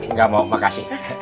nggak mau makasih